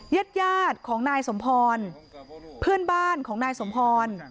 ญาติยาดของนายสมพรเพื่อนบ้านของนายสมพร